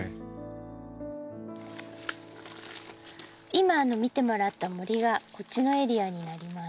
今見てもらった森がこっちのエリアになります。